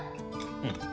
うん。